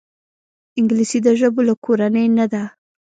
انګلیسي د ژبو له کورنۍ نه ده